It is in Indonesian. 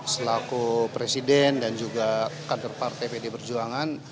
selaku presiden dan juga kader partai pd perjuangan